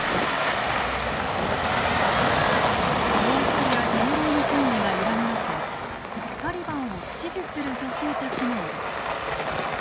教育や就労の権利が揺らぐ中タリバンを支持する女性たちもいる。